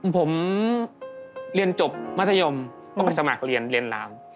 ผมเรียนจบยนต์มัธยมดูแลก็สมัครเรียนเรียนราม